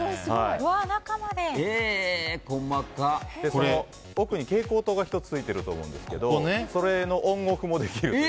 これ、奥に蛍光灯が１つついていると思うんですけどそれのオンオフもできると。